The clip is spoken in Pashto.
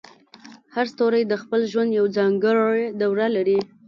هر ستوری د خپل ژوند یوه ځانګړې دوره لري.